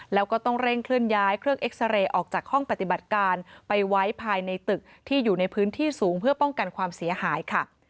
แล้วก็ต้องเร่งเคลื่อนย้ายเครื่องเอ็กซาเรย์ออกจากห้องปฏิบัติการไปไว้ภายในตึกที่อยู่ในพื้นที่สูงเพื่อป้องกันความเสียหายค่ะ